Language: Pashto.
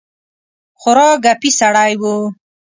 خورا ګپي سړی وو.